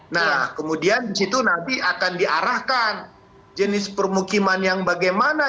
nah kemudian di situ nanti akan diarahkan jenis permukiman yang bagaimana